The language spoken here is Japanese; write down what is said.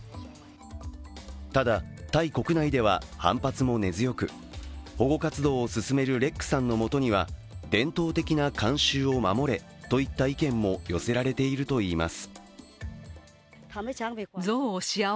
ただ、タイ国内では反発も根強く保護活動を進めるレックさんのもとには伝統的な慣習を守れといった意見も寄せられているといいます。